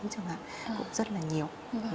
cũng rất là nhiều